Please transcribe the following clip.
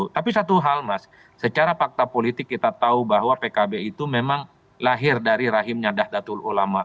tapi satu hal mas secara fakta politik kita tahu bahwa pkb itu memang lahir dari rahimnya dahdatul ulama